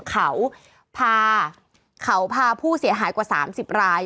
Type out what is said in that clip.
เขาพาผู้เสียหายกว่า๓๐ราย